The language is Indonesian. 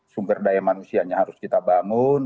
sumber daya manusianya harus kita bangun